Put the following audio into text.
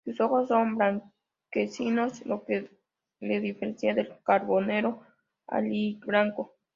Sus ojos son blanquecinos, lo que le diferencia del carbonero aliblanco.